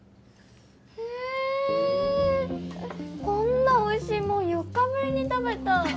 こんなおいしいもん４日ぶりに食べた。